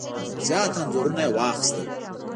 زیات انځورونه یې واخیستل.